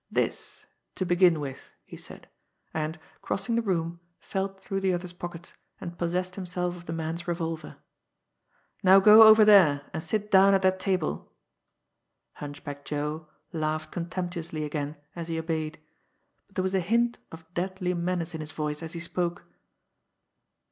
"This to begin with!" he said and, crossing the room, felt through the other's pockets, and possessed himself of the man's revolver. "Now go over there, and sit down at that table!" Hunchback Joe laughed contemptuously again, as he obeyed; but there was a hint of deadly menace in his voice as he spoke.